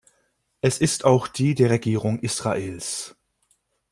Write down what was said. Es ist auch die der Regierung Israels.